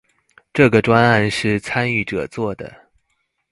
這個專案是參與者做的